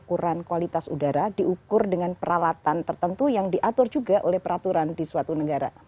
ukuran kualitas udara diukur dengan peralatan tertentu yang diatur juga oleh peraturan di suatu negara